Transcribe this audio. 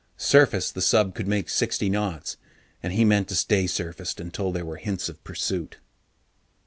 Surfaced, the sub could make sixty knots, and he meant to stay surfaced until there were hints of pursuit.